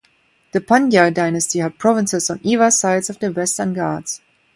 The Pandya dynasty had provinces on either sides of the Western Ghats.